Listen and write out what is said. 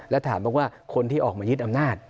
แล้วถามบอกว่าคนที่ออกมายึดอำนาจ